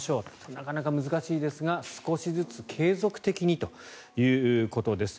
なかなか難しいですが少しずつ、継続的にということです。